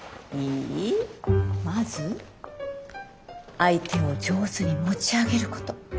まず相手を上手に持ち上げること。